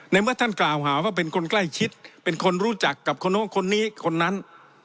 เมื่อท่านกล่าวหาว่าเป็นคนใกล้ชิดเป็นคนรู้จักกับคนนู้นคนนี้คนนั้น